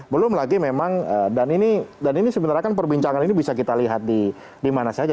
belum lagi memang dan ini sebenarnya kan perbincangan ini bisa kita lihat di mana saja